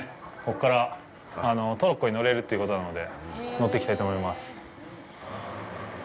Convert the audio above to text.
ここからトロッコに乗れるということなので、乗っていきたいと思います。